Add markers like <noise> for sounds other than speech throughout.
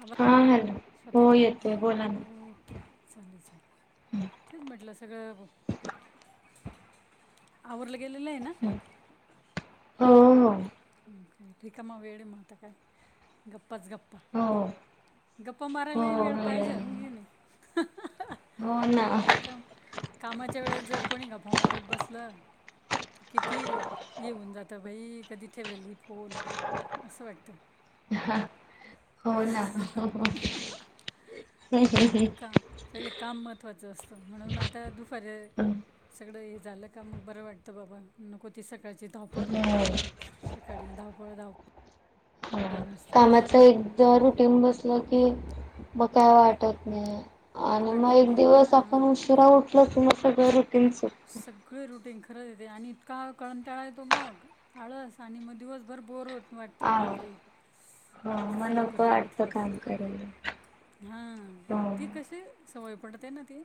आ हा हॅलो स्वाती हो ताई येतोय बोला ना ओके! चालेल चालेल. तेच म्हटलं सगळं आवरलं गेलेलं आहे ना? हो हो. हं, काय ठीक, मग वेळ हाय म आता काय गप गप्पाच गप्पा हो गप्पा हो मारायलाही वेळ पाहिजे, हाय कि नाही. हो. ना रिकाम कामाच्या वेळेस जर कोणी गप्पा मारत बसल. किती येऊन जात बाई. कधी ठेवेल ही फोन असं वाटत. हो ना. का पहिले काम महत्त्वाचं असतं. म्हणून आता दुपारी सगळं हे झालं. मग बरं वाटतं बाबा. नकोती सकाळची धावपळ सकाळी धावळ पळ, धावपळ. नुसती नाही की कामाच नाही एकदा रुटींग बसलं. की मग काय वाटत नाही. आणि मग वाटत एक नाही हा दिवस आपण उशिरा उठलो ती मग सगळ रुटींग. सगळी रेटिंग खराब. खरंच येते. आणि इतका कंटाळा येतो मग. आळस आणि मग दिवसभर बोर होत. वाटत की अरे. हा आज मग नको वाटतं काम करायला. हा हो ती कशी. सवय पडते ना. ती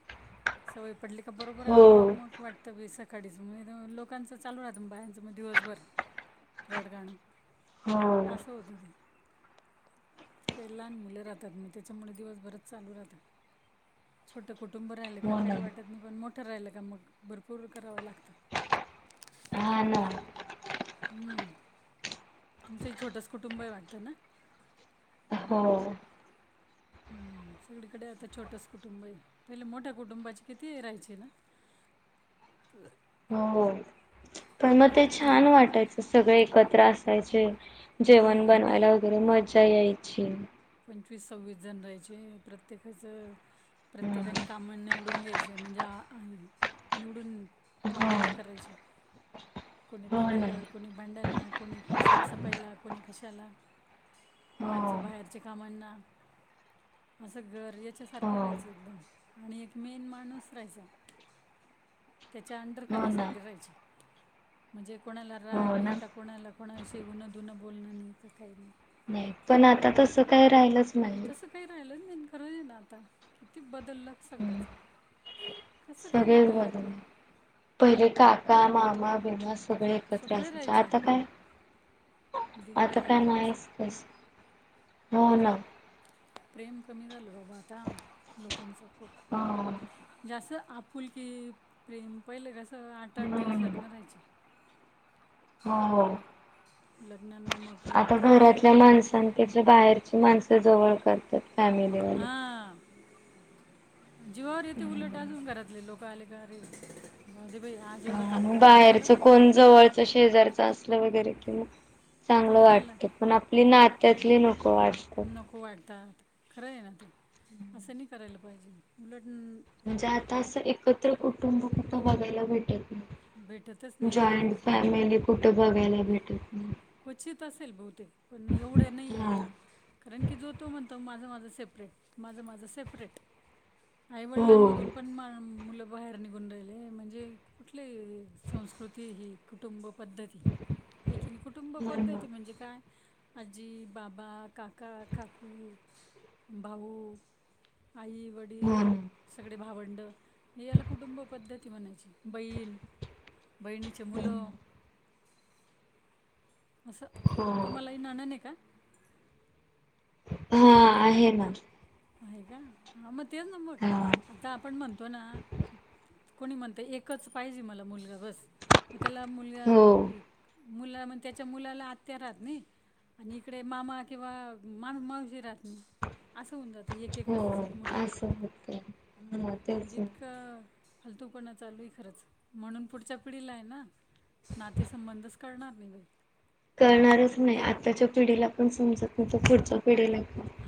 सवय. पडली का बरोबर हो आपो-आप मग वाटतं विस आकाडीच म्ह लोकांचं चालू राहतंग बायांचं मग दिवसभर रडगाणं. हो असस हूत ते. काही लहान मुलं राहतात. मग त्याच्यामुळे दिवसभरात चालू राहतात छोट मोठ. कुंटूब राहिले हो ना काही वाटत नाही. पण मोठ. राहायला का मग भरपूर करावं लागतं. हा ना हम्म तुमचं एक छोटस कुटुंब वाटतं ना? हो हम्म सगळीकडे आता छोटच कुटुंब आहे. पहिले मोठ्या कुटुंबाची किती राहायचे ना. तर. हो पण मग ते एवढे छान वाटायचं. सगळे एकत्र असायचे. जेवण हां बनवायला वगैरे मजा यायची. पंचवीस सव्वीस जण राहायचे प्रत्येकाचं हो प्रत्येकानी काम निवडून निवडून घ्यायचे म्हणजे निवडून आवडीने करायचे. कोणी हो ना धुन्याला कोणी, भांड्यांना कोण, साफसफाईला कोणी कशाला. हाअ. ते कामांना असं घर याच्यासारखं हो राहायचं एकदम आणि एक मेन माणूस राहायचा. त्याच्या हो अंडरखाली ना सगळे राहायचे. म्हणजे कोणाला राग हो ना नाही का, कोणाला कोणाविषयी उनं धुणं बोलणं नाही का काही नाही. पण आता तस काय राहिलच तसं काही राहिलंच नाही, करं ये ना आता किती बदललं हम्म सगळंच. कसं काय सगळेच बदललं काय बदलले पहिले काका, मामा, बिमा सगळे एकत्र सगळे असायचे, राहायचे आता काय? आता दिवाळीला काय गेलं कसं नाहीच, तस हो ना. म्हणजे प्रेम कमी झालं बाबा आता लोकांचं खूप हो म्हणजे असं आपुलकी प्रेम पहिलं कसं आठ आठ दिवस लग्न राहायचे. हो हो. लग्न आता घरातल्या माणसांपेक्षा बाहेरची माणसं जवळ करतात. फॅमिलीवाले हां जीवावर येते उलट अजून घरातले लोक आले का, आरे जाऊदे बई आज एवढं काम आणि करावं बाहेरच लागलं कोण जवळच शेजारच असलं वगैरे कि मग चांगलं तरी त्याला वाटतं, पण आपली कौ नात्यातली नको वाटत नको वाटतात खरं ये ना ते असं नाही करायला पाहिजेल उलट न- म्हणजे आता असं एकत्र कुटुंब कुठं बघायला भेटेल? भेटतच उ नाही ना जॉईंट खरंच फॅमिली कुठ बघायला भेटल? क्वचित असेल बहुतेक, पण एवढ्या नाही हा आता कारण की जो तो म्हणतो माझं माझ सेपरेट, माझ माझं सेपरेट, हो आईवडलांमधून हो पण मा मूल बाहेर निघून राहिले म्हणजे कुठले संस्कृती ही कुटुंब पद्धती हे की नई, कुटुंब ना पद्धती हो म्हणजे काय आजी, बाबा काका, काकू, भाऊ आई ना वडील हो. सगळे भावंड येला कुटुंब पद्धती म्हणायची. बहीण, बहिणीचे ना मुलं असं, हो तुम्हालाही ननन ये का? हा आहे ना आहे का? हा मग तेच ना मग हा आता आपण म्हणतो ना कोणी म्हणत एकच पाहिजे मला मुलगा बस, मग त्याला मुलगा हो. <unintelligible> मुला म्हण त्याच्या मुलाला आत्या राहत नई. आणि इकडे मामा किंवा मान मावशी राहत नई असं होऊन जात हो असं होतय ह तेच म्हणजे <unintelligible> इतकं फालतूपणा चालू ये खरंच म्हणून पुढच्या पिढीलाय ना नाते संंबंधच कळणार नाही भई कळणारच नई, आत्ताच्या पिढीला पण समजत <unintelligible> त पुढच्या पिढीला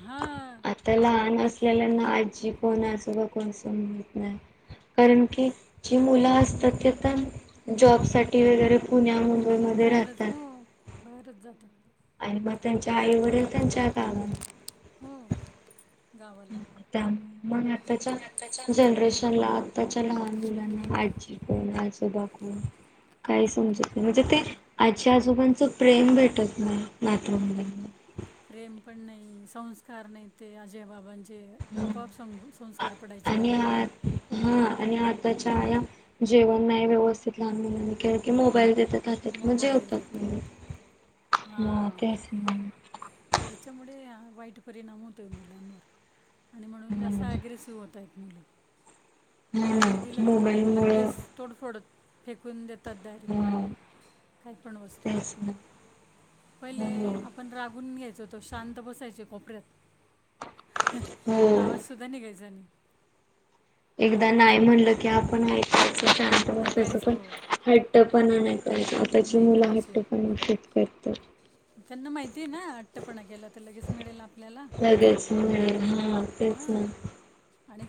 हां आता लहान अस <unintelligible> ल्यालांना आजी कोण, आजोबा कोण समजत नाय. कारण की जी मुलं असतात ते आता जॉबसाठी वगैरे पुण्या मुम बईमध्ये बाहेरच राहतात. हो बाहेरच जातात. आणि मग त्यांच्या आईवरील त्यांच्या गावा हो. गावाला त्या <unintelligible> मग आताच्या जनरेशनला ताच्या लहान मग मुलांना आजी कोण, आजोबा कोण काही समजत नाही म्हणजे ते आजी आजोबांचं प्रेम भेटत नाही, नातवंडाना प्रेम पण नाही, संस्कार नाही ते आज्या बाबांचे जे आपोआप <unintelligible> संस्कार पडायचे. आणि आ हा आणि आताच्या आया जेवण नाही व्यवस्थित लहान मुलांनी केल की मोबाईल देतात. <unintelligible> म मोबाईल जेवतात देतात <unintelligible> हा हां तेच ना याच्यामुळे हा वाईट परिणाम होतोय मुलांवर आणि म्हणून जास्त हा ॲग्रेसिव्ह होतायेत मुलं काही ना नई दिलं का, मोबाईल मुळ लगेच तोडफोड फेकून देत तद्दारी हा काही पण वस्तू तेच ना पहिले हो आपण रागून घ्यायचोतो शांत बसायचे कोपऱ्यात हो आवाज सुद्धा निघायचा नई. एकदा नाही म्हणलं की आपण ऐकायचं, शांत बसायचं पण ऐकायचो हट्ट पण आणाय <unintelligible> आताची नाही मुलं हट्ट करायचे पण खूप करतात. त्यांना माहितीये ना अट्टपणा केला त लगेच मिळेल आपल्याला अ हा तेच ना हां आणि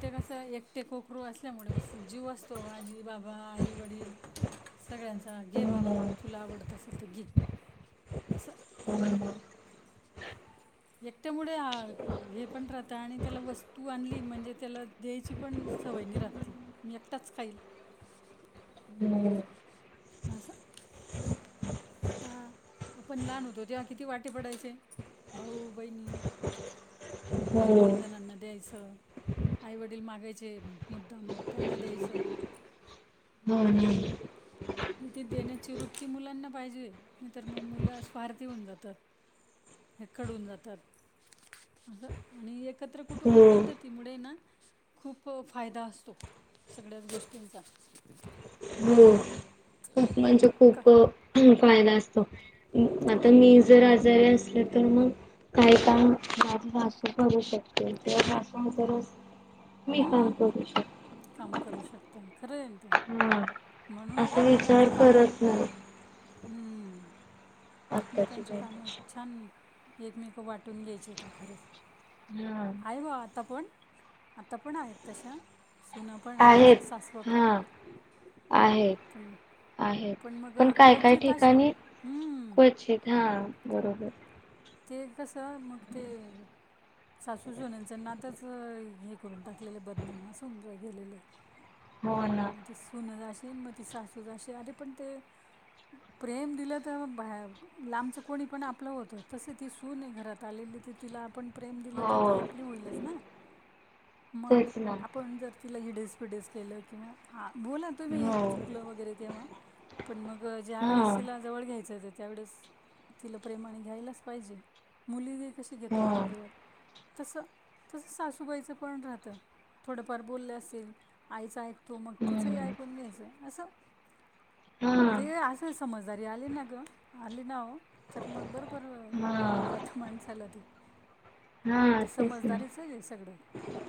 ते कोकरु असल्यामुळे म जीव असतो, आजी, बाबा, आई, वडील सगळ्यांचा, घे हो बाबा हो तुला आवडत असेल त घे असं <unintelligible> हा त्यामुळे हे, पण राहत आणि त्याला वस्तू आणली, म्हणजे त्याला द्यायची पण सवय नाही रा मी एकटाच खाईल हम्म. बस आता आपण लहान होतो तेव्हा किती वाटे पडायचे. भाऊ.. ! वाहिनी दोन तीन जणांना द्यायच. आई वडील मागा <inaudible> जे मुद्दाम त्यांना द्यायचं. रीकाम आहे <unintelligible> इथे देण्याची वृत्ती मुलांना पाहिजे. नाही तर मग मुलं स्वार्थी होऊन जातात. <unintelligible> हे कडून जातात. अस आणि एक एकत्र कुटुंब हो पद्धतीमुळे ना खूप फायदा असतो. सगळ्याच गोष्टींचा हो खूप म्हणजे का खूप फायदा असतो. आता मी जर, आजारी असल तर मग काही <unintelligible> मी काम हम्म. करू काम करू शकते खरंय हम... असा विचार कामं करत नाही हम्म आत्ताची एकमेकांचे काम जनरेशन. छान, एकमेक वाटून घ्यायचे ते खरंच हा. आहे बाबा आत्ता पण? आता पण आहेत तशा, सुन पण आहेत, तशा सासवं पण आहेत. आहे. पण आहेत. मग पण काय काय क्वचित अश ठिकाणी हम्म क्वचित हा.. ! बरोबर. ते कसं, मग ते सासू सुनेच नातच, हे करून टाकलेले बदनाम असून गेलेले हो ना. मग ते सुन जाशी, मग त सासूजशी अरे पण ते प्रेम दिलं तर लांबचं, कोणी पण आपलं होत. तसे ती सून घरात, आलेली ते तिला आपण प्रेम दिलं तर, ती हो आपली होईलच ना? मग तेच ना आपण जर तिला हिडेस, पिडस केलं किंवा ह बोला तुम्ही हो चुकलं वगैरे तेव्हा, पण मग ज्या हा वेळ असेल जवळ घ्यायचं त्या त्यावेळेस तिला प्रेमाने घ्यायलाच पाहिजे, मुली कशी घेतो हो. आपण जवळ तसं तसं सासूबाईचं पण राहतं थोडंफार बोललं, असेल आईचं ऐक तो मग तिचही, हम्म ऐकून घ्यायचं असं हा ते असं समजदारी, आली ना ग आली नाव. तर मग बरोबर हा जात माणसाला. हा त तेच ना. समजदारीच आहे आहे सगळं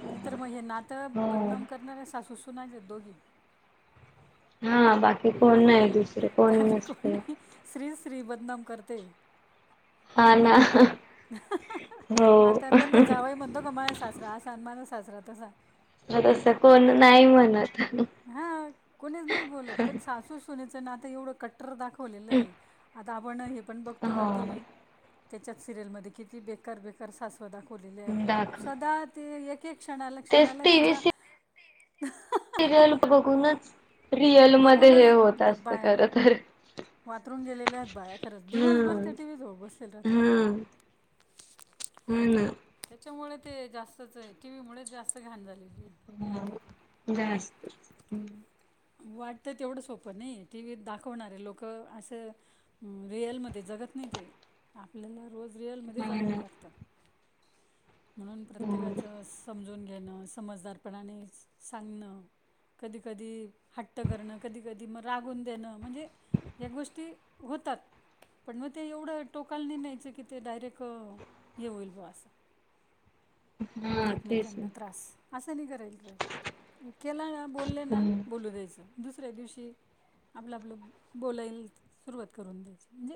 नाहीतर मग हे नातं, हो बदनाम करणाऱ्या सासूसूनाेत दोघी हा. बाकी कोण नाही तुस काही कोण नाही, श्री श्री बदनाम करते. हे हा क ना नाही हो. आता कोणता जावई, म्हणतो का माझ्या सासरा सन्मान साजराात असा <inaudible> म तस कोण नाही म्हणत हा नात एवढं कट्टर, दाखवलेलं आहे. आता आपण हे पण, बघतो ना हो टी. व्ही त्याच्यात सिरियलमध्येध्ये किती, बेकार-बेकार सासवा दाखवलेले आहेत. दाखव. सदा ते एक- क्षणाला तेच क्षणाला टीव्ही तिच्या सी सिरियल बघूनच रिअल मध्ये, हे बघूनच होत असत खर तर वाातरून गेले आहेत बाया खरच दिवसभर हम्म त्या टीव व्च बसलेले हो. हम्म हा ना. त्याच्यामुळे ते जास्तच टी. व्ही मुळे जास्त घाण झाले. हा जास्त. वाटत तेवढं सोपं नाही टीव्हीत दाखवणारे लोक असं रिअलमध्ये ज नाही आपल्याला रोज रिअलमध्ये हा जगावं ना लागतात. म्हणून प्रत्येकाच हो समजून घ. घेणं समजदारपणाने सांगणं कधी कधी. हट्ट करणं कधी कधी मग रागून देणं म्हणजे या गोष्टी होतात. पण मग ते एवढं टोकाला नाही न्यायचं की ते डायरेक्ट हे होईल ब असं. <inaudible> हा तेच ना एकमेकांना त्रास असं नाही करायल पाहिजे. केला ना बोलले हो ना बोलू द्यायचं. दुसऱ्या दिवशी आपलं आपलं बोलायला सुरुवात करून द्यायची म्हणजे.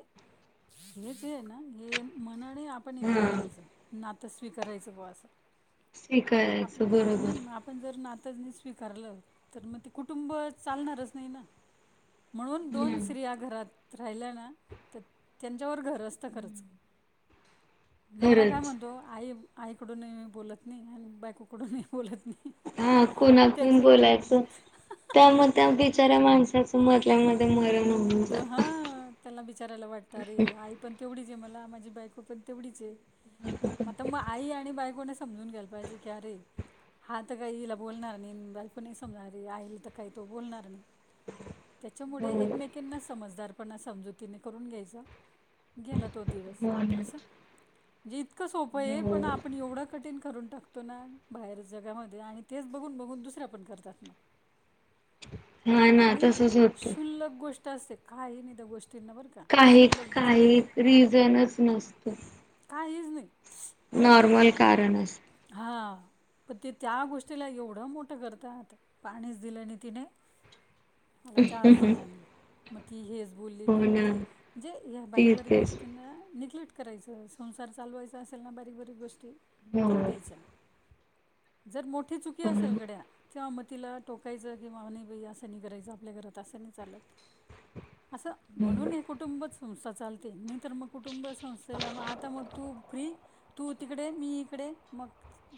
हे जे आहे ना हे मना आणि आपण हे हा करून घ्यायचं नात स्वीकारायचं बुवा असं. स्वीकारायचं बरोबर ता स्वीकारलं तर मग ते कुटुंब चालणारच नाही ना. म्हणून दोन हम्म स्त्रिया घरात राहिल्या ना त्यां. तोवर घर असतं खरंच. नवरा काय खरंच म्हणतो आई आईकडून बोलत नाही आणि बायकोकडून. हा कोणाकून बोलायचं त्या म्हणता मग. बचऱ्या माणसाच मधल्यामध्ये मरन. दो हा त्याला बिचारायला वाटतं अरे आई पण तेवढीच. मला माझी बायको पण तेवढीच आता मला आई आणि बायको. समजून घ्यायला पाहिजेअरे! हा तर काय हिला बोलणार नाही बायकणी समजणार आईल तर काही तो बोलणार नाही. त्याच्यामुळे हो एकमेकांना समजदारपणा समजुतीने करून घ्यायच. गेला तो दिवस हो ना अस म्हणजे इतकं सोपं आहे हो पण आपण एवढं कठीण करून. टाकतो ना बाहेर जगामध्ये आणि तेच बघून बघून दुसर्या पण करतात मग. हा ना आणि तसच होत. क्षुल्लक गोष्ट असते काही नाही गोष्ट. काही काही रिझनच नसतो. काहीच नाही नॉर्मल कारण अस. हां. पण ते त्या गोष्टीला एवढं मोठं करतातात पाणीच दिलं आणि तिने. मला चहा ची दिला नाही. बोलली हो नाही ना म्हटल म्हणजे हे ते बारीक बारीक तेच गोष्टींना नि. <inaudible> करायचं संसार चालवायचा असेल ना बारीक बारीक गोष्टी हो जाऊ द्यायच्या. जर मोठी चुकी हो असेल घड्या तेव्हा. तिला टोकायचं की मावनी नाही बाई असंनी करायचं आपल्या घरात असंनी चालत. असं म्हणून हे कुटुंब संस्था चालते. तर मग कुटुंब संस्थेला मग आता मग तू फ्री तू तिकडे मी. हि इकडे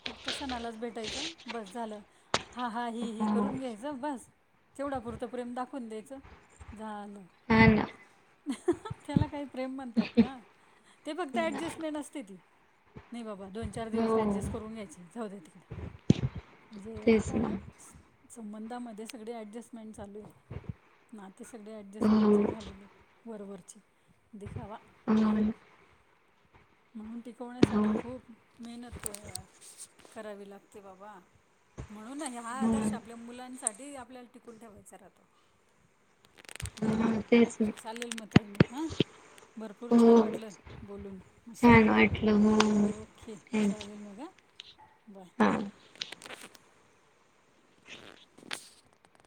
फक्त सणालाच भेटायचं बस झालं. हां हा ही ही हो करून घ्यायचं बस तेवढा पुरतं प्रेम दाखवून द्यायचं झालं. हा ना. त्याला काही प्रेम म्हणतात का ते फक्त ऍडजस्टमेंट असते ती. नाही बाबा दो. द चार दिवस हो ॲडजस्ट करून घ्यायचे जाउद्या तिकडे म्हणजे तेच आता. ना संबंधामध्ये सगळे ॲडजस्टमेंट चालू आहे नाते सगळे हो ॲडजस्टमेंटचे झालेले. बरोबवरचे दिखावा. हो हो म्हणून टिकवण्यासाठी खूप मेहनत करावी. करावी लागते बाबा म्हणून हा हो आदर्श आपल्या मुलांसाठी. ते आपल्याला टिकून ठेवायच राहतो. <unintelligible> चालेल म तई मग हं भरपूर हो छान वाटलं बोलून मस्त छान वाटलं हो ओके थँक्यू चालेल मघा हां बाय <inaudible>